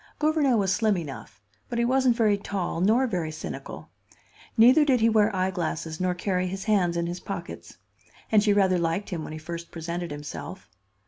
Gouvernail was slim enough, but he wasn't very tall nor very cynical; neither did he wear eyeglasses nor carry his hands in his pockets. And she rather liked him when he first presented himself.